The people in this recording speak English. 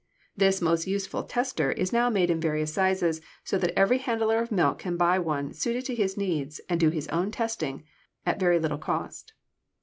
This most useful tester is now made in various sizes so that every handler of milk may buy one suited to his needs and do his own testing at very little cost.